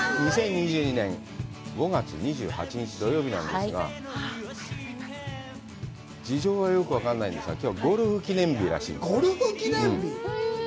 ２０２２年５月２８日、土曜日の朝ですが、事情はよく分からないんですが、きょうはゴルフ記念日らしいです。